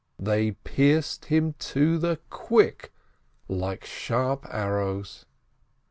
They pierced him to the quick, like sharp arrows.